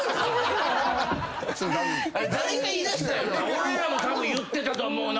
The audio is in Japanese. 俺らもたぶん言ってたと思うな。